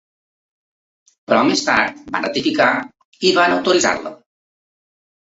Però més tard van rectificar i van autoritzar-la.